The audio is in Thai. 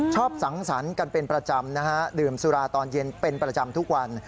สังสรรค์กันเป็นประจำนะฮะดื่มสุราตอนเย็นเป็นประจำทุกวัน